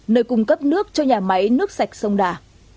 nơi cung cấp nước cho nhà máy nước sạch sông đà